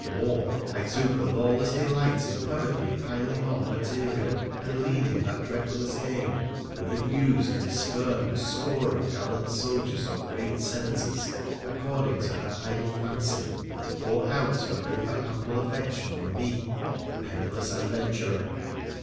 More ; I took a lawless delight in covertly piling on material and leading that reckless dame, who had used and spurned a score of gallant soldiers or great senators according to her idle fancy, to pour out her over ample affection on me, the penniless adventurer.